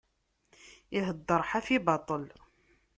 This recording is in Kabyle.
Iheddeṛ ḥafi, baṭel.